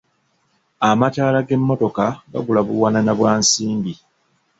Amataala g’emmotoka gagula buwanana bwa nsimbi.